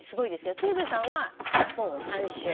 鶴瓶さんは日本を３周。